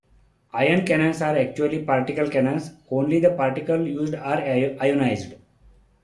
Ion cannons are actually particle cannons; only the particles used are ionized.